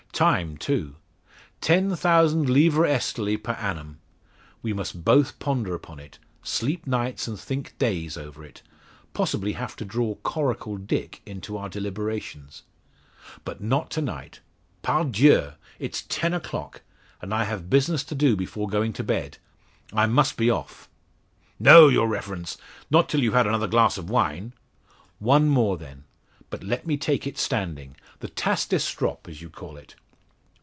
Time, too. Ten thousand livres esterlies per annum! We must both ponder upon it sleep nights, and think days, over it possibly have to draw Coracle Dick into our deliberations. But not to night Pardieu! it's ten o'clock! And I have business to do before going to bed. I must be off." "No, your Reverence; not till you've had another glass of wine." "One more then. But let me take it standing the tasse d'estrope, as you call it."